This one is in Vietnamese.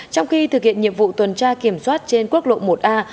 trong khi thực hiện nhiệm vụ tuần tra kiểm soát trên quốc lộ một a